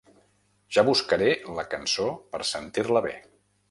Ja buscaré la cançó per sentir-la bé.